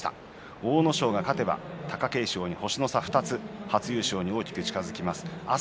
阿武咲が勝てば貴景勝に星の差２つと初優勝に大きく近づきます。